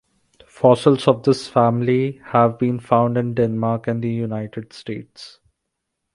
Fossils of this family have been found in Denmark and the United States.